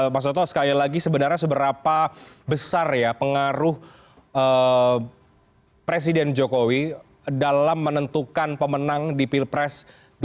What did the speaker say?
mas toto sekali lagi sebenarnya seberapa besar ya pengaruh presiden jokowi dalam menentukan pemenang di pilpres dua ribu sembilan belas